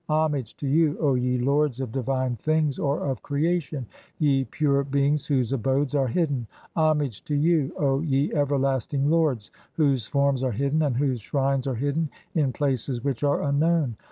Homage to you, O ye lords "of divine things (or of creation), ye pure beings whose abodes "are hidden ! Homage to you, O ye everlasting lords, (4) whose "forms are hidden and whose shrines are hidden in places which "are unknown